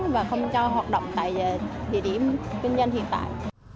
và không cho hoạt động tại địa điểm kinh doanh hiện tại